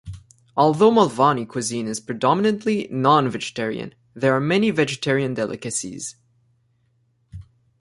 Although Malvani cuisine is predominantly non-vegetarian, there are many vegetarian delicacies.